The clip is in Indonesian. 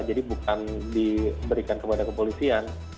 jadi bukan diberikan kepada kepolisian